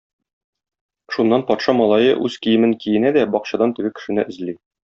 Шуннан патша малае үз киемен киенә дә бакчадан теге кешене эзли.